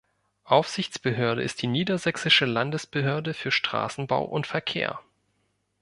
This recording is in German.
Aufsichtsbehörde ist die Niedersächsische Landesbehörde für Straßenbau und Verkehr.